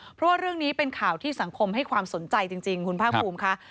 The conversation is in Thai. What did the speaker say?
เพราะว่าเรื่องนี้เป็นข่าวที่สังคมให้ความสนใจจริงคุณภาคภูมิค่ะ